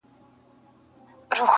• هر مضر له خپله اصله معلومیږي -